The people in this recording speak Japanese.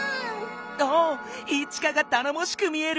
おおっイチカがたのもしく見える。